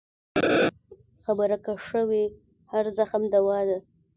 خبره که ښه وي، هر زخم دوا ده.